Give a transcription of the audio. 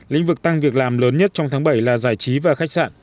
lĩnh vực tăng việc làm lớn nhất trong tháng bảy là giải trí và khách sạn